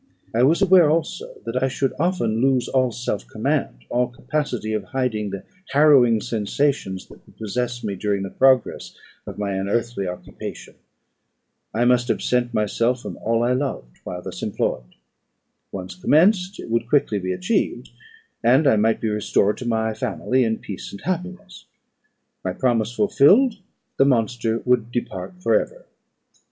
I was aware also that I should often lose all self command, all capacity of hiding the harrowing sensations that would possess me during the progress of my unearthly occupation. I must absent myself from all I loved while thus employed. Once commenced, it would quickly be achieved, and I might be restored to my family in peace and happiness. My promise fulfilled, the monster would depart for ever.